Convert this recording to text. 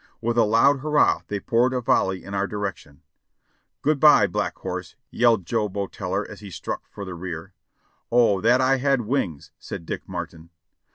With a loud hurrah they poured a volley in our direction. "Good by, Black Horse!"' yelled Joe Boeteller as he struck for the rear. "O, that I had wings!" said Dick Martin.